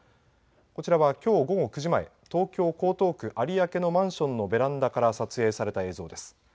こちらはきょう午後９時前東京江東区有明のマンションのベランダから撮影された映像です。